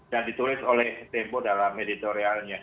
dan ditulis oleh tempo dalam editorialnya